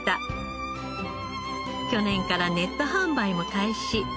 去年からネット販売も開始。